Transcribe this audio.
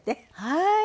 はい！